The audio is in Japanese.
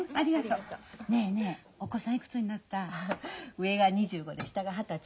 上が２５で下が二十歳。